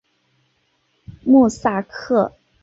穆萨克。